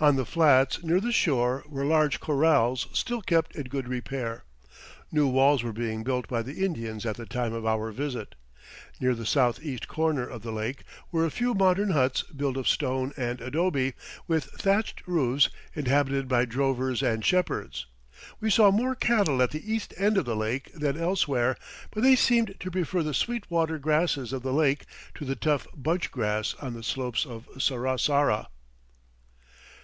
On the flats near the shore were large corrals still kept in good repair. New walls were being built by the Indians at the time of our visit. Near the southeast corner of the lake were a few modern huts built of stone and adobe, with thatched roofs, inhabited by drovers and shepherds. We saw more cattle at the east end of the lake than elsewhere, but they seemed to prefer the sweet water grasses of the lake to the tough bunch grass on the slopes of Sarasara.